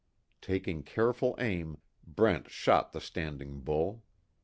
Taking careful aim, Brent shot the standing bull.